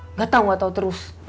nggak tahu nggak tahu terus